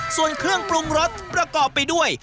ส่วนเครื่องปรุงรสประกอบไปด้วย